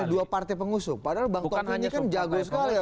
oleh dua partai pengusuh padahal bang taufik ini kan jago sekali ya